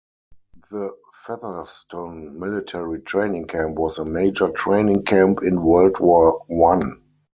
The Featherston Military Training Camp was a major training camp in World War One.